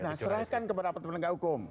nah serahkan kepada teman teman hukum